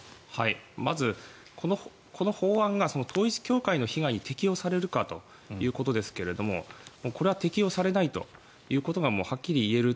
まず、この法案が統一教会の被害に適用されるかということですがこれは適用されないと適用されない？